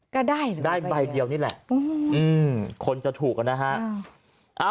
ก็ได้ได้ใบเดียวนี่แหละอืมคนจะถูกกันนะฮะอ่า